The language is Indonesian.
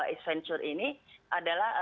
adventure ini adalah